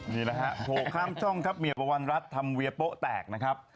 นี่แหละครับโทรข้ามช่องครับเมียปวันรัฐทำเวียโปะแตกนะครับ